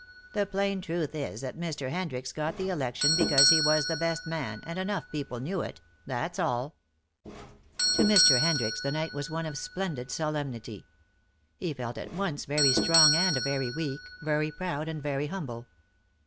The plain truth is that Mr. Hendricks got the election because he was the best man, and enough people knew it. That's all." To Mr. Hendricks the night was one of splendid solemnity. He felt at once very strong and very weak, very proud and very humble.